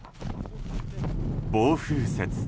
暴風雪。